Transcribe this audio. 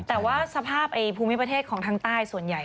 แต่ว่าสภาพภูมิประเทศของทางใต้ส่วนใหญ่